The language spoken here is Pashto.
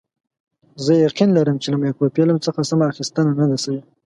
زه یقین لرم چې له مایکروفیلم څخه سمه اخیستنه نه ده شوې.